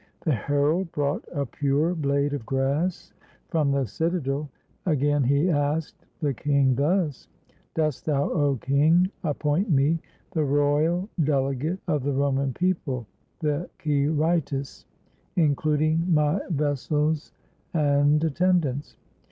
The herald brought a pure blade of grass from the citadel; again he asked the king thus, "Dost thou, 0 king, appoint me the royal delegate of the Roman people, the Quirites, including my vessels and attendants